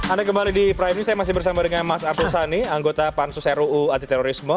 anda kembali di prime news saya masih bersama dengan mas arsul sani anggota pansus ruu antiterorisme